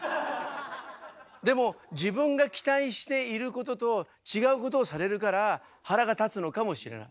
でも自分が期待していることと違うことをされるから腹が立つのかもしれない。